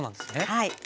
はい。